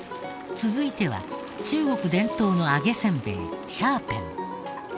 続いては中国伝統の揚げせんべい蝦片。